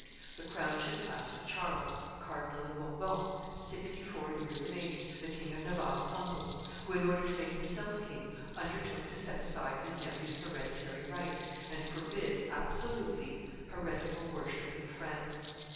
the crown should pass to Charles, Cardinal of Bourbon, sixty four years of age, the King of Navarre's uncle, who, in order to make himself king, undertook to set aside his nephew's hereditary right, and forbid, absolutely, heretical worship in France.